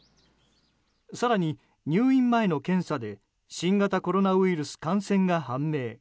更に入院前の検査で新型コロナウイルス感染が判明。